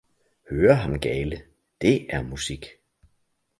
høre ham gale, det er musik!